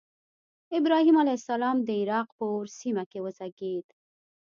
ابراهیم علیه السلام د عراق په أور سیمه کې وزیږېد.